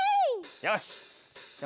よしじゃあ